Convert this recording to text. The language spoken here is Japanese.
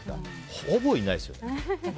ほぼいないですよ。